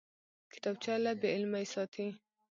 کتابچه له بېعلمۍ ساتي